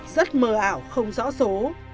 rất mờ ảo không rõ số